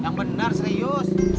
yang benar serius